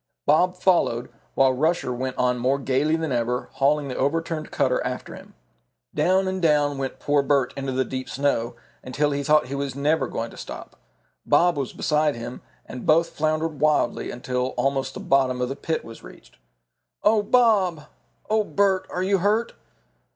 Bob followed, while Rusher went on more gayly than ever, hauling the overturned cutter after him. Down and down went poor Bert into the deep snow, until he thought he was never going to stop. Bob was beside him, and both floundered around wildly until almost the bottom of the pit was reached. "Oh, Bob!" "Oh, Bert! Are you hurt?"